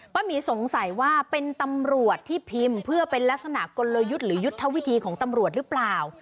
หมีสงสัยว่าเป็นตำรวจที่พิมพ์เพื่อเป็นลักษณะกลยุทธ์หรือยุทธวิธีของตำรวจหรือเปล่า